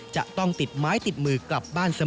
จะต้องติดไม้ติดมือกลับบ้านเสมอ